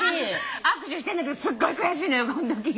握手してんだけどすっごい悔しいのよこんとき。